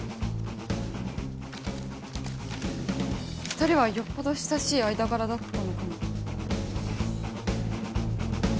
２人はよっぽど親しい間柄だったのかな？